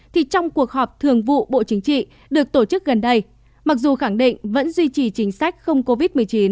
thì trong cuộc họp thường vụ bộ chính trị được tổ chức gần đây mặc dù khẳng định vẫn duy trì chính sách không covid một mươi chín